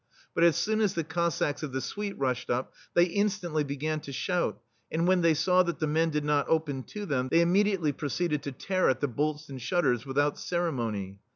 But as soon as the Cossacks of the Suite rushed up, they instantly began to shout, and when they saw that the men did not open to them, they immediately proceeded to tear at the bolts and shut ters, without ceremony.